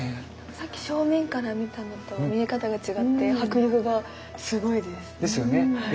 さっき正面から見たのと見え方が違って迫力がすごいです。ですよね。